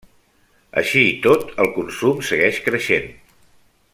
Així i tot el consum segueix creixent.